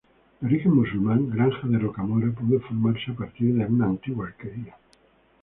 De origen musulmán, Granja de Rocamora pudo formarse a partir de una antigua alquería.